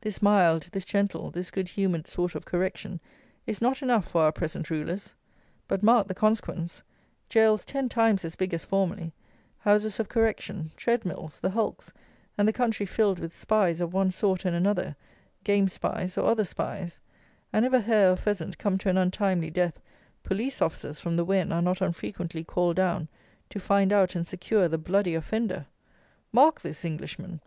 This mild, this gentle, this good humoured sort of correction is not enough for our present rulers. But mark the consequence; gaols ten times as big as formerly; houses of correction; tread mills; the hulks; and the country filled with spies of one sort and another, game spies, or other spies, and if a hare or pheasant come to an untimely death, police officers from the Wen are not unfrequently called down to find out and secure the bloody offender! Mark this, Englishmen!